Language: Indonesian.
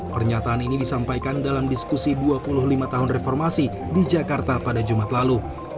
pernyataan ini disampaikan dalam diskusi dua puluh lima tahun reformasi di jakarta pada jumat lalu